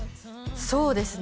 そうですね